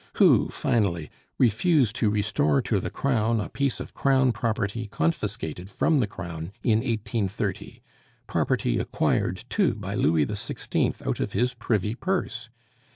who, finally, refuse to restore to the Crown a piece of Crown property confiscated from the Crown in 1830 property acquired, too, by Louis XVI. out of his privy purse!